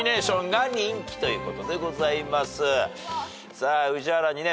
さあ宇治原にね